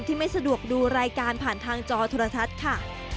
ไม่สะดวกดูรายการผ่านทางจอโทรทัศน์ค่ะ